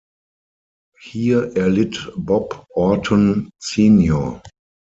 Hier erlitt Bob Orton Sr.